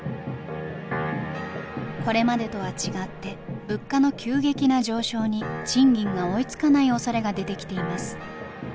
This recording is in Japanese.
これまでとは違って物価の急激な上昇に賃金が追いつかないおそれが出てきています。